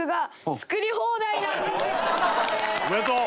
おめでとう！